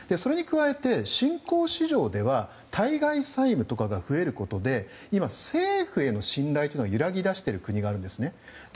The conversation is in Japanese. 加えて、新興市場では対外債務が増えることで今、政府への信頼というのが揺らぎだしている国があるんです。